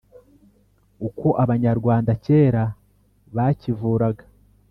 Uko Abanyarwanda kera bakivuraga